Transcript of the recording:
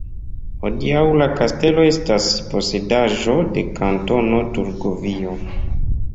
Hodiaŭ la kastelo estas posedaĵo de Kantono Turgovio.